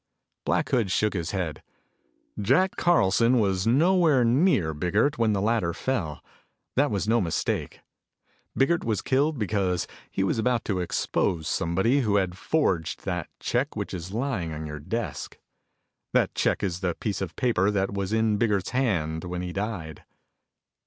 Black Hood shook his head, "Jack Carlson was nowhere near Biggert when the latter fell. That was no mistake. Biggert was killed because he was about to expose somebody who had forged that check which is lying on your desk. That check is the piece of paper that was in Biggert's hand when he died."